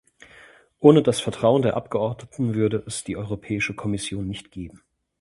Ohne das Vertrauen der Abgeordneten würde es die neue Europäische Kommission nicht geben.